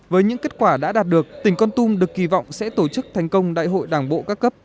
với những kết quả đã đạt được tỉnh con tum được kỳ vọng sẽ tổ chức thành công đại hội đảng bộ các cấp